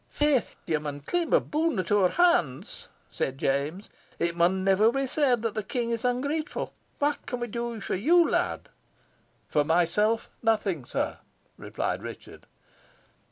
"Faith! ye maun claim a boon at our hands," said James. "It maun never be said the King is ungrateful. What can we do for you, lad?" "For myself nothing, sire," replied Richard.